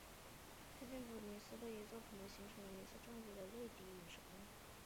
贴近尼埃普斯环形山西南边缘有一座可能形成于一次斜向撞击的泪滴状陨坑。